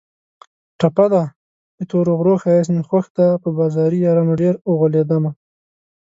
ټپه ده: د تورو غرو ښایست مې خوښ دی په بازاري یارانو ډېر اوغولېدمه